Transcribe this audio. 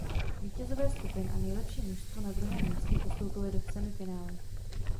Vítězové skupina a nejlepší mužstvo na druhém místě postoupili do semifinále.